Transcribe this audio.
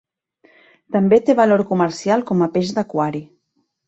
També té valor comercial com a peix d'aquari.